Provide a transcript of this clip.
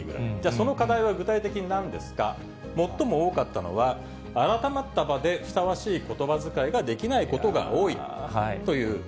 その課題は具体的になんですか、最も多かったのは、改まった場でふさわしいことばづかいができないことが多いという。